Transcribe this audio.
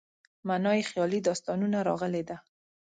معنا یې خیالي داستانونه راغلې ده.